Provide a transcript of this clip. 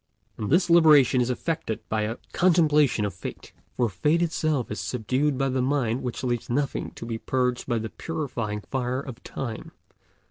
And this liberation is effected by a contemplation of Fate; for Fate itself is subdued by the mind which leaves nothing to be purged by the purifying fire of Time.